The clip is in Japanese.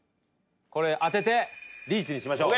これ、当ててリーチにしましょう。